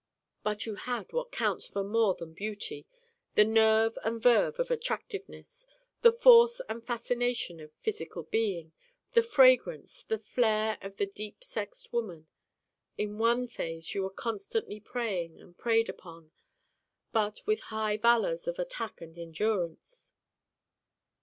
But you had what counts for more than beauty: the nerve and verve of attractiveness, the force and fascination of physical being, the fragrance, the flair of the deeply sexed woman. In one phase you were constantly preying and preyed upon, but with high valors of attack and endurance.